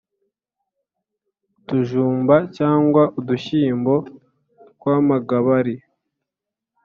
utujumba cyangwa udushyimbo twa magabari,